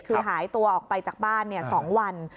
คือหายตัวออกไปจากบ้าน๒วัน